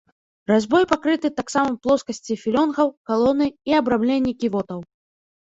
Разьбой пакрыты таксама плоскасці філёнгаў, калоны і абрамленні ківотаў.